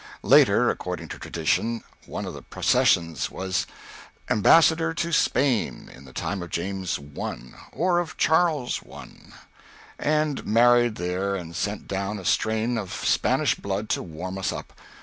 Later, according to tradition, one of the procession was Ambassador to Spain in the time of James I, or of Charles I, and married there and sent down a strain of Spanish blood to warm us up.